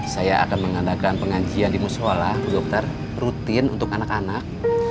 saya akan mengadakan pengajian di musola dokter rutin untuk anak anak